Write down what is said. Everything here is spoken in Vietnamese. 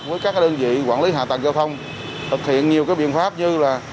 với các đơn vị quản lý hạ tầng giao thông thực hiện nhiều biện pháp như là